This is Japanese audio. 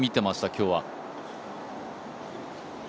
今日は。